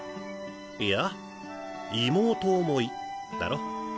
いや妹思いだろ。